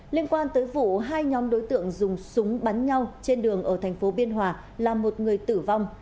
liên quan tới vụ hai nhóm đối tượng dùng súng bắn nhau trên đường ở thành phố biên hòa làm một người tử vong